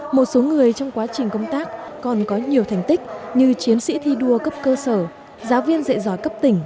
một số người trong quá trình công tác còn có nhiều thành tích như chiến sĩ thi đua cấp cơ sở giáo viên dạy giỏi cấp tỉnh